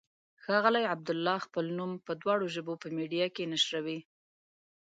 ښاغلی عبدالله خپل نوم په دواړو ژبو په میډیا کې نشروي.